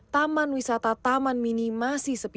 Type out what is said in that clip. taman wisata taman mini masih sepi